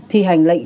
thì hành lệnh